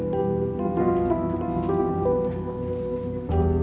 kamu punya uang